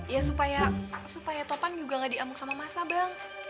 ya supaya topan juga gak diamuk sama masa bang